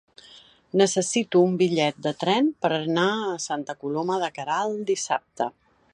Necessito un bitllet de tren per anar a Santa Coloma de Queralt dissabte.